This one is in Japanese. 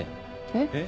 えっ？